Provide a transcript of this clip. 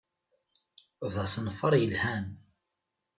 D asenfaṛ yelhan.